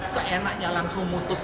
seenaknya langsung putus